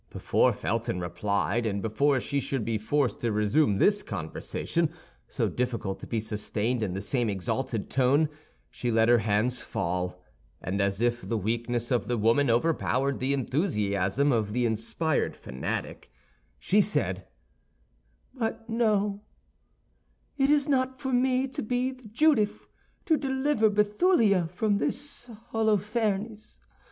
Before Felton replied, and before she should be forced to resume this conversation, so difficult to be sustained in the same exalted tone, she let her hands fall; and as if the weakness of the woman overpowered the enthusiasm of the inspired fanatic, she said: "But no, it is not for me to be the Judith to deliver Bethulia from this Holofernes.